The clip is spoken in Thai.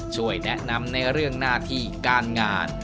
ช่วยแนะนำในเรื่องหน้าที่การงาน